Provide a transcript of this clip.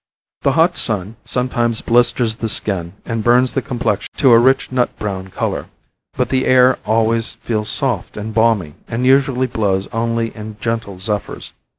The hot sun sometimes blisters the skin and burns the complexion to a rich, nut brown color, but the air always feels soft and balmy, and usually blows only in gentle zephyrs.